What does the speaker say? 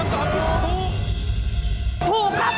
ถูกครับ